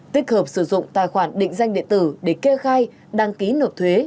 tích hợp sử dụng tài khoản định danh điện tử để kê khai đăng ký nộp thuế